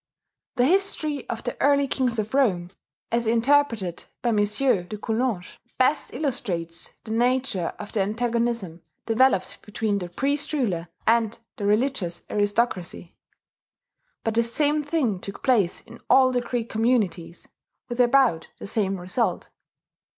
The history of the early kings of Rome, as interpreted by M. de Coulanges, best illustrates the nature of the antagonism developed between the priest ruler and the religious aristocracy; but the same thing took place in all the Greek communities, with about the same result.